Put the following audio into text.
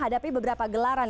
jadi satu benda itu adalah martin